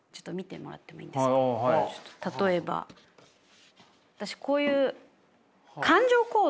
例えば私こういうほう。